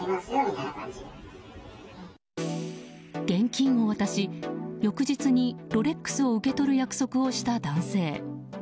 現金を渡し翌日にロレックスを受け取る約束をした男性。